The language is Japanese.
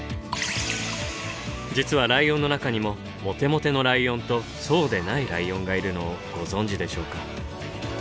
実はライオンの中にもモテモテのライオンとそうでないライオンがいるのをご存じでしょうか。